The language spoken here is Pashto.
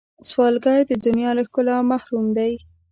سوالګر د دنیا له ښکلا محروم دی